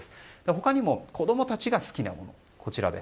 他にも子供たちが好きなもの。